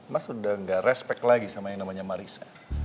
mas udah gak respect lagi sama yang namanya marissa